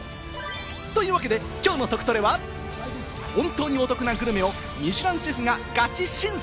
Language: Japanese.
というわけで、きょうのトクトレは、本当にお得なグルメをミシュランシェフがガチ審査！